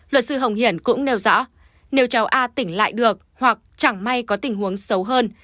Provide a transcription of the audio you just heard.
luật sư hồng hiển cũng nêu rõ nếu cháu a tỉnh lại được hoặc chẳng may có tình huống xấu hơn